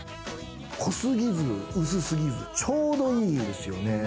こすぎず、薄すぎずちょうどいいんですよね。